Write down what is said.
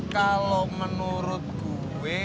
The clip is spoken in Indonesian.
kalau menurut gue